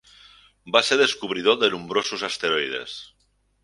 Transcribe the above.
Va ser descobridor de nombrosos asteroides.